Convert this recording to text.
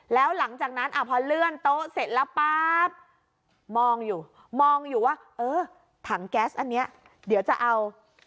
แล้วหลังจากนั้นพอเลื่อนโต๊ะเสร็จแล้วป๊าบมองอยู่มองอยู่ว่าเออถังแก๊สอันนี้เดี๋ยวจะเอา